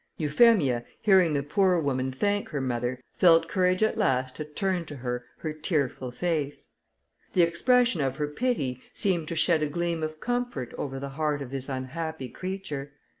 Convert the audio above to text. Euphemia, hearing the poor woman thank her mother, felt courage at last to turn to her her tearful face. The expression of her pity seemed to shed a gleam of comfort over the heart of this unhappy creature.